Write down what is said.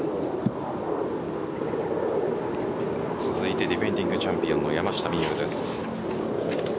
続いてディフェンディングチャンピオンの山下美夢有です。